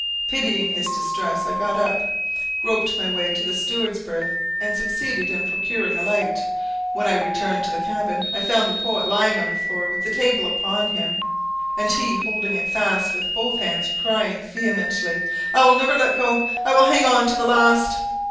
Pitying his distress I got up, groped my way to the steward's berth, and succeeded in procuring a light. When I returned to the cabin, I found the poet lying on the floor, with the table upon him, and he holding it fast with both hands, crying vehemently, "I will never let go. I will hang on to the last."